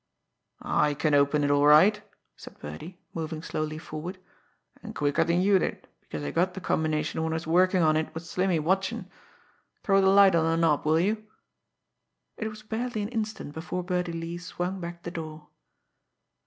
"I can open it all right," said Birdie, moving slowly forward; "and quicker than you did, because I got the combination when I was workin' on it with Slimmy watchin'. Throw the light on the knob, will you?" It was barely an instant before Birdie Lee swung back the door.